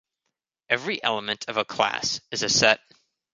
Every element of a class is a set.